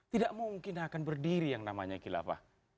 tidak mungkin akan berdiri yang namanya kilafah